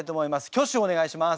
挙手をお願いします。